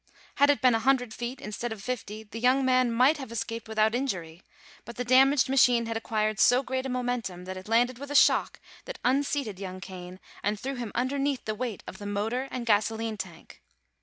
Had it been a hundred feet instead of fifty the young man might have escaped without injury, but the damaged machine had acquired so great a momentum that it landed with a shock that unseated young Kane and threw him underneath the weight of the motor and gasoline tank.